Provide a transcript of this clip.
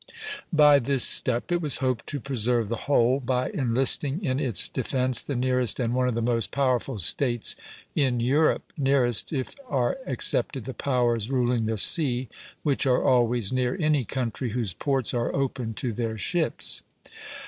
By this step it was hoped to preserve the whole, by enlisting in its defence the nearest and one of the most powerful States in Europe, nearest, if are excepted the powers ruling the sea, which are always near any country whose ports are open to their ships.